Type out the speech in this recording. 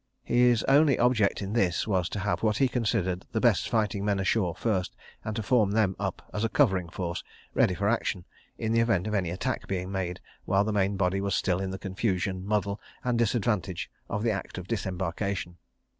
His only object in this was to have what he considered the best fighting men ashore first, and to form them up as a covering force, ready for action, in the event of any attack being made while the main body was still in the confusion, muddle and disadvantage of the act of disembarkation.